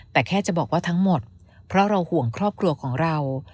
แต่แค่จะบอกว่าทั้งหมดเพราะเราห่วงครอบครัวของเรา